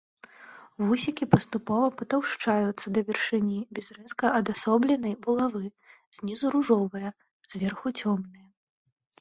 Вусікі паступова патаўшчаюцца да вяршыні, без рэзка адасобленай булавы, знізу ружовыя, зверху цёмныя.